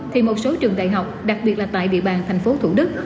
thì một số trường đại học đặc biệt là tại địa bàn thành phố thủ đức